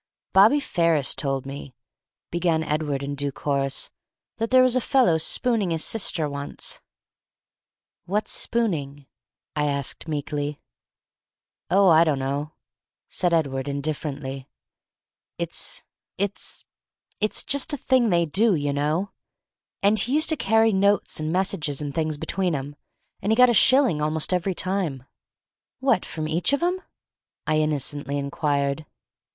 "Bobby Ferris told me," began Edward in due course, "that there was a fellow spooning his sister once " "What's spooning?" I asked meekly. "Oh, I dunno," said Edward, indifferently. "It's it's it's just a thing they do, you know. And he used to carry notes and messages and things between 'em, and he got a shilling almost every time." "What, from each of 'em?" I innocently inquired.